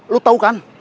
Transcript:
lo tau kan